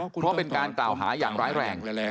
เพราะเป็นการกล่าวหาอย่างร้ายแรง